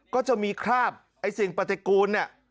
ก็จะมีคราบไอ้สิ่งประเทศกูลนี่